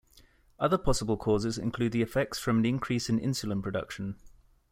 Other possible causes include the effects from an increase in insulin production.